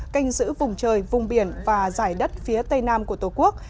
canh giữ vùng trời vùng biển và giải đất phía tây nam của tổ quốc